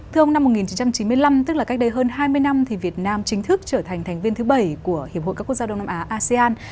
thưa ông năm một nghìn chín trăm chín mươi năm tức là cách đây hơn hai mươi năm thì việt nam chính thức trở thành thành viên thứ bảy của hiệp hội các quốc gia đông nam á asean